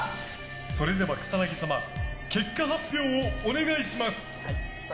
それでは草薙様結果発表をお願いします。